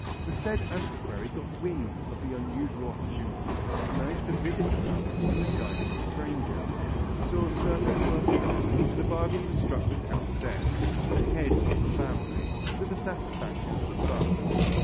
The said antiquary got wind of the unusual opportunity and managed to visit the palace in the guise of a stranger. He saw a certain work of art and a bargain was struck with Count Z., the head of the family, to the satisfaction of them both.